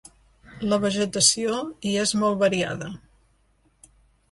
La vegetació hi és molt variada.